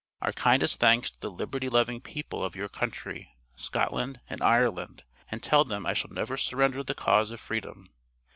Our kindest thanks to the liberty loving people of your country, Scotland, and Ireland, and tell them I shall never surrender the cause of freedom.